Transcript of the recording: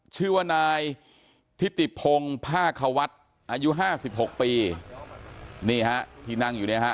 ชื่อว่านายทิติพงศ์ภาคควัฒน์อายุห้าสิบหกปีนี่ฮะที่นั่งอยู่เนี่ยฮะ